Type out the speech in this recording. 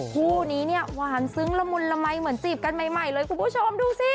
คู่นี้เนี่ยหวานซึ้งละมุนละมัยเหมือนจีบกันใหม่เลยคุณผู้ชมดูสิ